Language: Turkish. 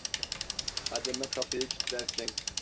Hademe kapıyı kitlerken: